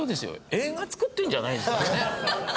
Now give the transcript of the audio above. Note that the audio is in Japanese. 映画作ってるんじゃないんですからね。